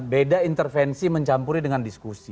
beda intervensi mencampuri dengan diskusi